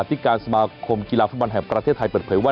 ที่การสมาคมกีฬาฟุตบอลแห่งประเทศไทยเปิดเผยว่า